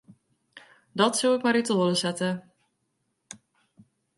Dat soe ik mar út 'e holle sette.